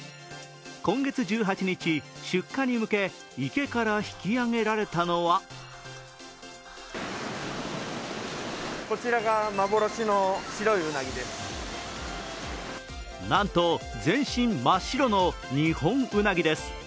今月１８日、出荷に向け、池から引き上げられたのはなんと全身真っ白の日本うなぎです。